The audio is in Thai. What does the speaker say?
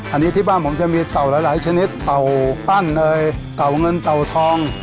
อันนี้ที่บ้านผมจะมีเต่าหลายชนิดเต่าปั้นเอ่ยเต่าเงินเต่าทอง